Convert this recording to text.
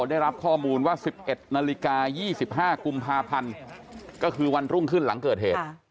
ได้รับข้อมูลว่า๑๑นาฬิกา๒๕กุมภาพันธ์ก็คือวันรุ่งขึ้นหลังเกิดเหตุ